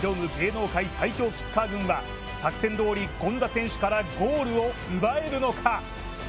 芸能界最強キッカー軍は作戦どおり権田選手からゴールを奪えるのか。